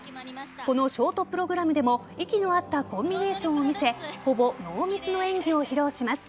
このショートプログラムでも息の合ったコンビネーションを見せほぼノーミスの演技を披露します。